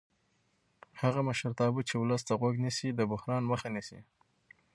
هغه مشرتابه چې ولس ته غوږ نیسي د بحران مخه نیسي